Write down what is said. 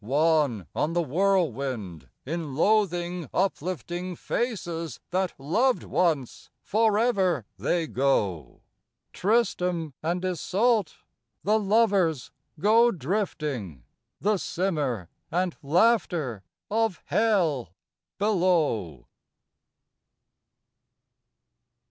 Wan on the whirlwind, in loathing uplifting Faces that loved once, forever they go, Tristram and Isolt, the lovers, go drifting, The simmer and laughter of Hell below.